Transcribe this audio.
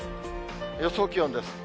予想気温です。